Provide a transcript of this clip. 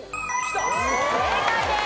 正解です！